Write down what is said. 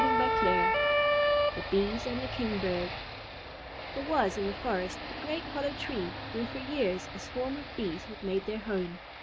THE BEES AND THE KINGBIRD There was in the forest a great hollow tree where for years a swarm of Bees had made their home.